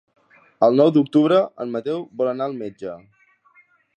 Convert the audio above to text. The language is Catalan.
El nou d'octubre en Mateu vol anar al metge.